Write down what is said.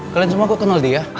kalian semua kok kenal dia